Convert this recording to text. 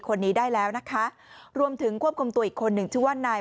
คนนี้ได้แล้วนะคะรวมถึงควบคุมตัวอีกคนหนึ่งชื่อว่านาย